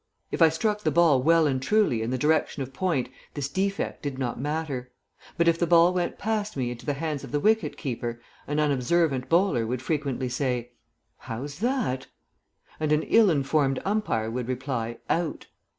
If I struck the ball well and truly in the direction of point this defect did not matter; but if the ball went past me into the hands of the wicket keeper, an unobservant bowler would frequently say, "How's that?" And an ill informed umpire would reply, "Out."